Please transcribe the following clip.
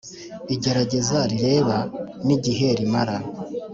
Igerageza rireba n igihe rimara